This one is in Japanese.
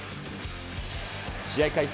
試合開始